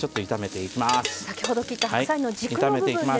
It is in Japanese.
先ほど切った白菜の軸の部分です。